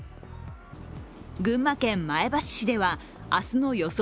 群馬県前橋市では、明日の予想